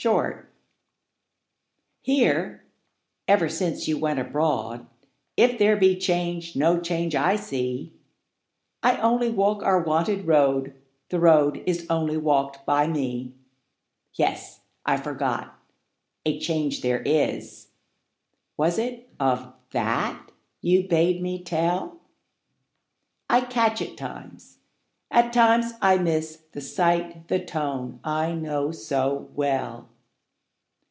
Absence HERE, ever since you went abroad, If there be change no change I see: I only walk our wonted road, The road is only walk'd by me. Yes; I forgot; a change there is— 5 Was it of that you bade me tell? I catch at times, at times I miss The sight, the tone, I know so well.